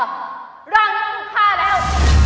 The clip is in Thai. ร่างมันถูกฆ่าแล้ว